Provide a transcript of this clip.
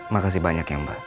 makasih banyak ya mbak